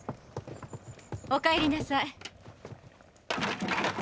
おかえりなさい。